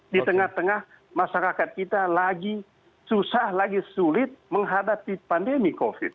di tengah tengah masyarakat kita lagi susah lagi sulit menghadapi pandemi covid